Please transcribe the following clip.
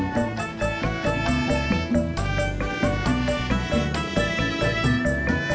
nanti aku ke belakang